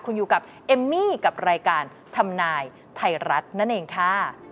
คุณอยู่กับเอมมี่กับรายการทำนายไทยรัฐนั่นเองค่ะ